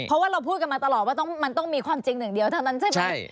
เพราะว่าเราพูดกันมาตลอดว่ามันต้องมีความจริงหนึ่งเดียวเท่านั้นใช่ไหม